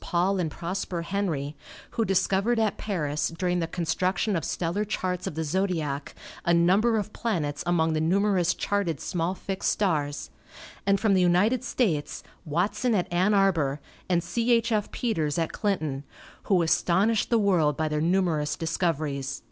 Paul and Prosper Henry, who discovered at Paris, during the construction of stellar charts of the zodiac, a number of planets among the numerous charted small fixed stars ; and from the United States, Watson at Ann Arbor, and C. H. F. Peters at Clinton, who astonished the world by their numerous discoveries.